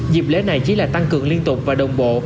dịp lễ này chỉ là tăng cường liên tục và đồng bộ